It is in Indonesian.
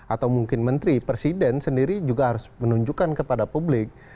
atau mungkin menteri presiden sendiri juga harus menunjukkan kepada publik